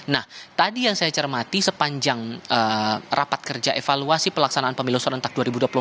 nah tadi yang saya cermati sepanjang rapat kerja evaluasi pelaksanaan pemilu serentak dua ribu dua puluh empat